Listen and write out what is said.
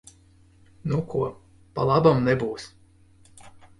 Nu ko, pa labam nebūs.